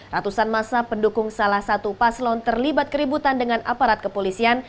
ratusan masa pendukung salah satu paslon terlibat keributan dengan aparat kepolisian